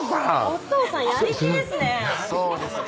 お父さんやり手ですね